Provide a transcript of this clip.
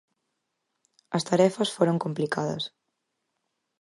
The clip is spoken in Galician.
As tarefas foron complicadas.